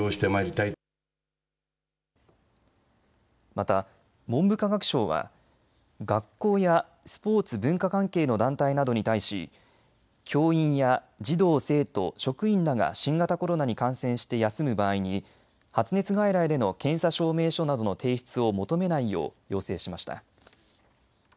また、文部科学省は学校やスポーツ・文化関係の団体などに対し教員や児童・生徒、職員らが新型コロナに感染して休む場合に発熱外来での検査証明書などの提出を求めないよう要請しました。